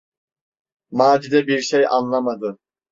Macide bir şey anlamadı.